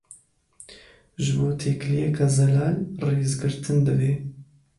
Ji bo têkiliyeke zelal, rêzgirtin divê.